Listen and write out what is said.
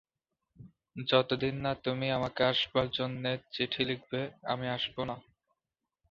যতদিন না তুমি আমাকে আসবার জন্যে চিঠি লিখবে, আমি আসব না।